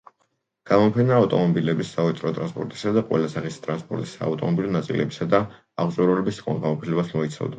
გამოფენა ავტომობილების, სავაჭრო ტრანსპორტისა და ყველა სახის ტრანსპორტის საავტომობილო ნაწილებისა და აღჭურვილობის განყოფილებებს მოიცავდა.